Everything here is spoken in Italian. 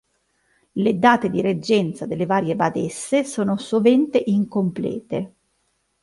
Le date di reggenza delle varie badesse sono sovente incomplete.